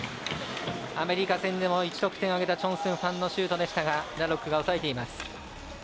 アメリカ戦でも１得点を挙げたチョン・スンファンのシュートでしたがラロックが押さえています。